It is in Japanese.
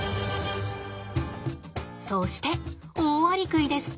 そしてオオアリクイです。